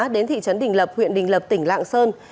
đến thị trấn đình lập huyện đình lập tỉnh lạng sơn